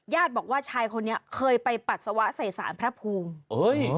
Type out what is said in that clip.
บอกว่าชายคนนี้เคยไปปัสสาวะใส่สารพระภูมิเอ้ย